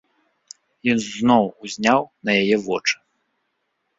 Ён зноў узняў на яе вочы.